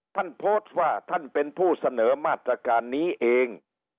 ท่านโพสต์ว่าท่านเป็นผู้เสนอมาตรการนี้เอง